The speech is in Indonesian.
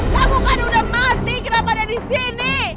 kamu kan udah mati kenapa ada di sini